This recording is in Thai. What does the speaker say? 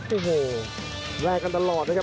โอ้โหแลกกันตลอดนะครับ